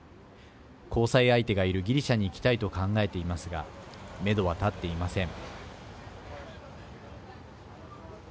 交際相手がいるギリシャに行きたいと考えていますがめどは立っていません。